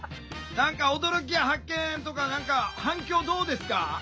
何か驚きや発見とか何か反響どうですか？